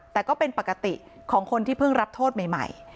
แต่ก็เป็นปกติของคนที่เพิ่งรับโทษใหม่